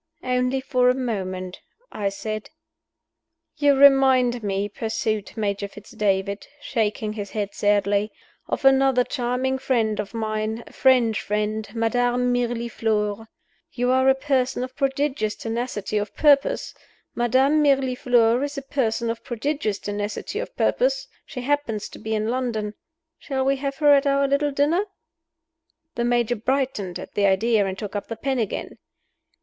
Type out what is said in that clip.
"Only for a moment," I said. "You remind me," pursued Major Fitz David, shaking his head sadly, "of another charming friend of mine a French friend Madame Mirliflore. You are a person of prodigious tenacity of purpose. Madame Mirliflore is a person of prodigious tenacity of purpose. She happens to be in London. Shall we have her at our little dinner?" The Major brightened at the idea, and took up the pen again.